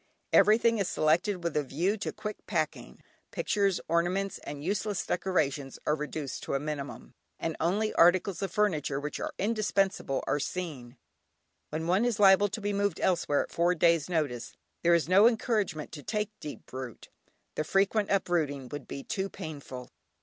Everything is selected with a view to quick packing; pictures, ornaments, and useless decorations are reduced to a minimum, and only articles of furniture which are indispensable are seen. When one is liable to be moved elsewhere at four days' notice, there is no encouragement to take deep root, the frequent uprooting would be too painful.